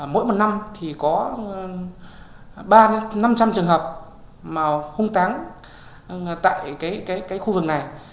mỗi một năm thì có ba trăm linh năm trăm linh trường hợp màu hung táng tại cái khu vực này